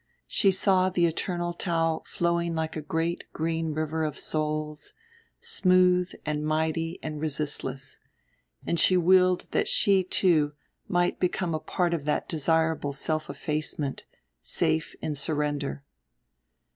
She saw the eternal Tao flowing like a great green river of souls, smooth and mighty and resistless; and she willed that she too might become a part of that desirable self effacement, safe in surrender.